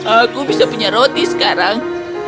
aku bisa punya roti sekarang